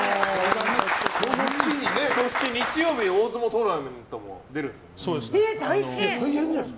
そして日曜日大相撲トーナメントもそうですね。